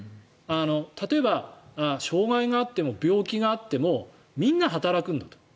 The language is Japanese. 例えば障害があっても病気があってもみんな働くんだと。